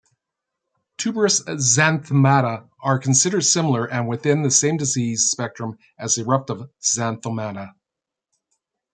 Tuberous xanthomata are considered similar, and within the same disease spectrum as eruptive xanthomata.